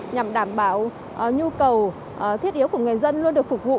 nhằm đảm bảo nhu cầu thiết yếu của người dân luôn được phục vụ